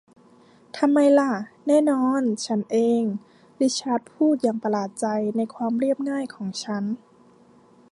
ทำไมหละ แน่นอน ฉันเอง ริชาร์ดพูดอย่างประหลาดใจในความเรียบง่ายของฉัน